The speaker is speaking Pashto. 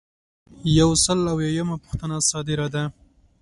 یو سل او اویایمه پوښتنه صادره ده.